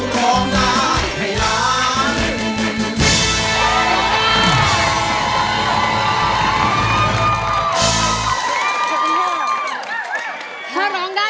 ร้องได้ร้องได้ร้องได้ร้องได้